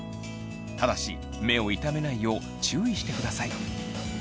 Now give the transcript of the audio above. ただし目を痛めないよう注意してください。